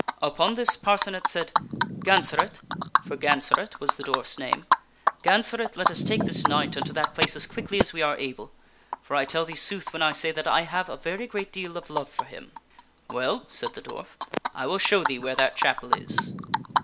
Upon this Parcenet said, "Gansaret" for Gansaret was the dwarf's name " Gansaret, let us take this knight unto that place as quickly as we are able. For I tell thee sooth when I say that I have a very great deal of love for him." " Well," said the dwarf, " 1 will show thee where that chapel is."